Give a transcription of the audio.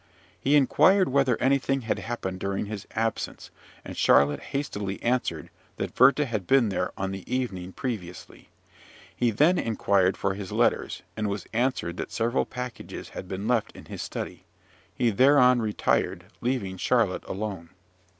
He inquired whether anything had happened during his absence, and Charlotte hastily answered that Werther had been there on the evening previously. He then inquired for his letters, and was answered that several packages had been left in his study. He thereon retired, leaving Charlotte alone.